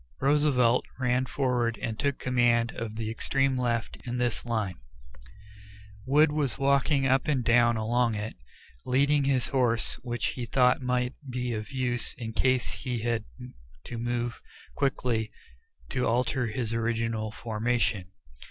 Roosevelt ran forward and took command of the extreme left of this line. Wood was walking up and down along it, leading his horse, which he thought might be of use in case he had to move quickly to alter his original formation.